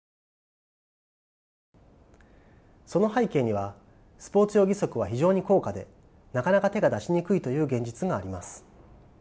その背景にはスポーツ用義足は非常に高価でなかなか手が出しにくいという現実があります。